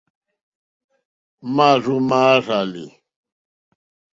Màrzô màrzàlì.